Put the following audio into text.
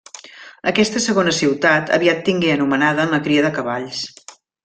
Aquesta segona ciutat aviat tingué anomenada en la cria de cavalls.